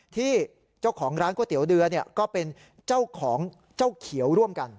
ที่เจ้าของร้านก๋วยเตี๋ยวเดือนก็เป็นเจ้าของเจ้าเขียวร่วมกัน